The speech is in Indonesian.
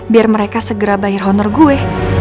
biar mereka segera bayar honor gue